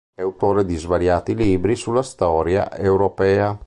È autore di svariati libri sulla storia europea.